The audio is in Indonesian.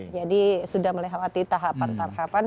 jadi sudah melewati tahapan tahapan